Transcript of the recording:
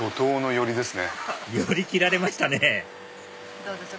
寄り切られましたねどうぞ。